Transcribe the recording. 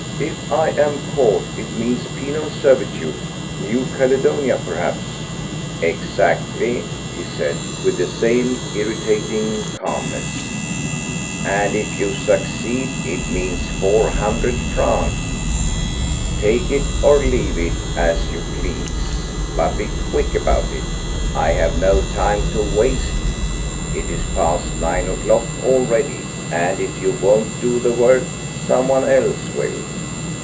If I am caught, it means penal servitude—New Caledonia, perhaps—" "Exactly," he said, with the same irritating calmness; "and if you succeed it means four hundred francs. Take it or leave it, as you please, but be quick about it. I have no time to waste; it is past nine o'clock already, and if you won't do the work, someone else will."